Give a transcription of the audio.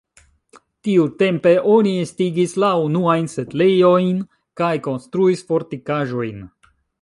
Tiutempe oni estigis la unuajn setlejojn kaj konstruis fortikaĵojn.